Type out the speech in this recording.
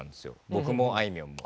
僕もあいみょんも。